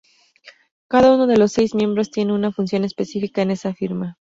Cada uno de los seis miembros tiene una función específica en esa firma.